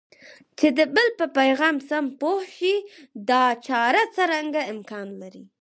چې د بل په پیغام سم پوه شئ دا چاره څرنګه امکان لري؟